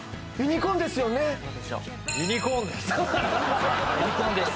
ユニコーンです